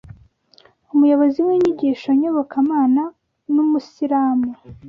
Umuyobozi w'inyigisho nyobokamana nu musiramu